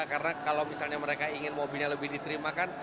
karena kalau misalnya mereka ingin mobilnya lebih diterima kan